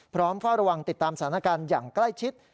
เฝ้าระวังติดตามสถานการณ์อย่างใกล้ชิด